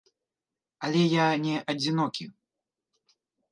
Але я не адзінокі.